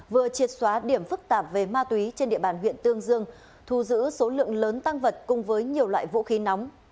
vừa triệt xóa điểm phức tạp về ma túy trên địa bàn huyện tương dương thu giữ số lượng lớn tăng vật cùng với nhiều loại vũ khí nóng